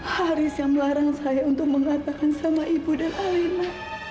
haris yang melarang saya untuk mengatakan sama ibu dan alina